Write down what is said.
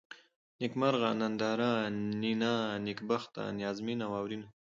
نېکمرغه ، ننداره ، نينه ، نېکبخته ، نيازمنه ، واورېنه